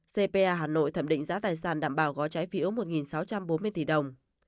cpa hà nội thẩm định giá tài sản đảm bảo gói trái phiếu một sáu trăm bốn mươi tỷ đồng